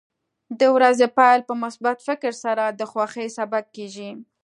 د ورځې پیل په مثبت فکر سره د خوښۍ سبب کېږي.